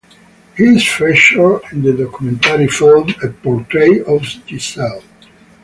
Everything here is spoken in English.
He is featured in the documentary film "A Portrait of Giselle".